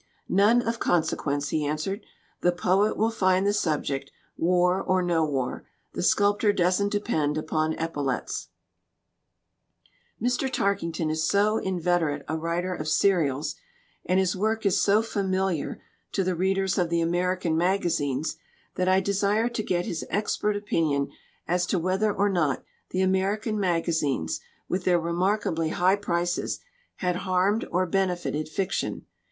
"None of consequence," he answered. "The poet will find the subject, war or no war. The sculptor doesn't depend upon epaulets." 39 LITERATURE IN THE MAKING Mr. Tarkington is so inveterate a writer of serials, and his work is so familiar to the readers of the American magazines, that I desired to get his expert opinion as to whether or not the Ameri can magazines, with their remarkably high prices, had harmed or benefited fiction.